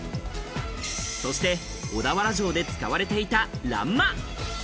そして小田原城で使われていた欄間。